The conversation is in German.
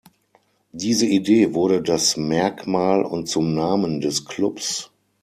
Diese Idee wurde das Merkmal und zum Namen des Clubs.